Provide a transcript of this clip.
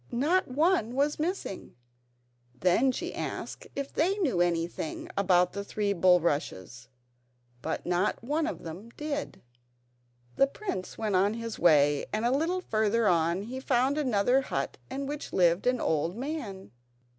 Not one was missing. Then she asked if they knew anything about the three bulrushes, but not one of them did. The prince went on his way, and a little further on he found another hut in which lived an old man.